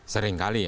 sering kali ya